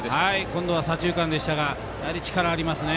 今度は左中間でしたが力がありますね。